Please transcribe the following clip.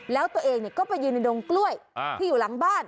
แล้วตัวเองก็ไปยืนในดงกล้วยที่อยู่หลังบ้าน